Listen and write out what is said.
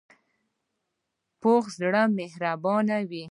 پوخ زړه مهربانه وي